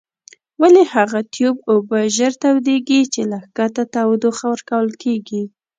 ولې هغه تیوب اوبه ژر تودیږي چې له ښکته تودوخه ورکول کیږي؟